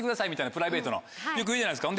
プライベートのよく言うじゃないですか。